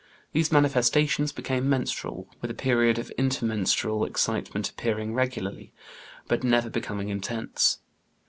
These manifestations became menstrual, with a period of intermenstrual excitement appearing regularly, but never became intense.